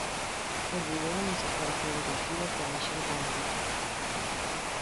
El video musical fue dirigido por Michel Gondry.